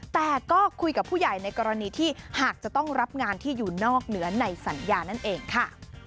แต่ก็คุยกับผู้ใหญ่ในกรณีที่หากจะต้องรับงานที่อยู่นอกเหนือในสัญญานั่นเองค่ะ